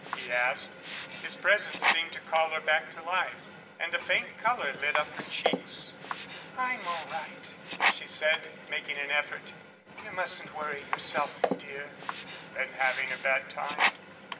he asked. His presence seemed to call her back to life, and a faint colour lit up her cheeks. "I'm all right," she said, making an effort. "You mustn't worry yourself, dear." "Been having a bad time?"